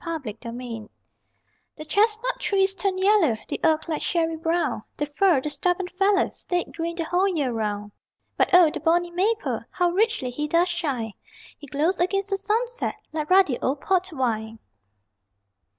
_] AUTUMN COLORS The chestnut trees turned yellow, The oak like sherry browned, The fir, the stubborn fellow, Stayed green the whole year round. But O the bonny maple How richly he does shine! He glows against the sunset Like ruddy old port wine.